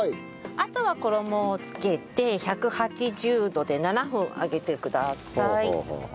あとは衣を付けて１８０度で７分揚げてください。